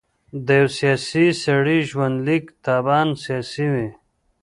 د یوه سیاسي سړي ژوندلیک طبعاً سیاسي وي.